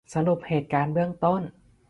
สรุปเหตุการณ์เบื้องต้น